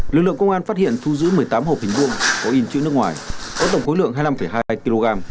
lực lượng công an phát hiện thu giữ một mươi tám hộp hình vuông có in chữ nước ngoài có tổng khối lượng hai mươi năm hai mươi hai kg